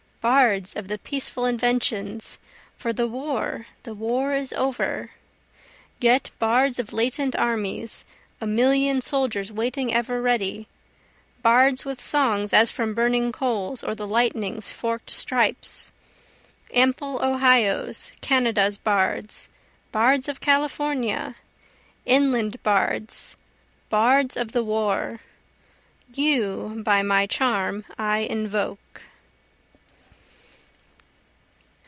bards of the peaceful inventions! (for the war, the war is over!) Yet bards of latent armies, a million soldiers waiting ever ready, Bards with songs as from burning coals or the lightning's fork'd stripes! Ample Ohio's, Kanada's bards bards of California! inland bards bards of the war! You by my charm I invoke.